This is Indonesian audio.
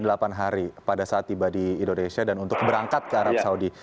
selama delapan hari pada saat tiba di indonesia dan untuk berangkat ke arab saudi